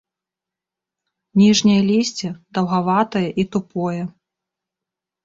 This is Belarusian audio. Ніжняе лісце даўгаватае і тупое.